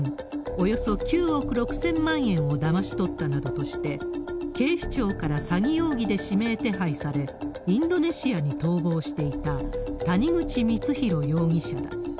およそ９億６０００万円などをだまし取ったなどとして、警視庁から詐欺容疑で指名手配され、インドネシアに逃亡していた谷口光弘容疑者だ。